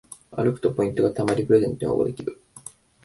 歩くとポイントがたまりプレゼントに応募できる